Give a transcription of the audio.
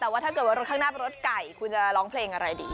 แต่ว่าถ้าเกิดว่ารถข้างหน้าเป็นรถไก่คุณจะร้องเพลงอะไรดี